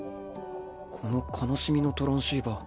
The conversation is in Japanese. この悲しみのトランシーバー。